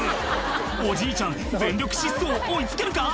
おじいちゃん全力疾走追い付けるか？